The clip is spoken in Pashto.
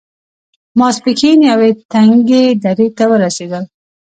ماسپښين يوې تنګې درې ته ورسېدل.